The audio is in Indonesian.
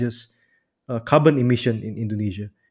emisi karbon di indonesia